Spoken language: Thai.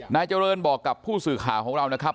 นายเจริญบอกกับผู้สื่อข่าวของเรานะครับ